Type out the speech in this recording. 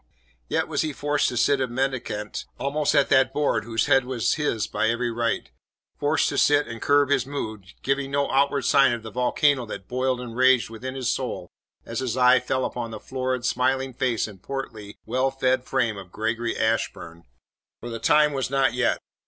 Yet was he forced to sit a mendicant almost at that board whose head was his by every right; forced to sit and curb his mood, giving no outward sign of the volcano that boiled and raged within his soul as his eye fell upon the florid, smiling face and portly, well fed frame of Gregory Ashburn. For the time was not yet.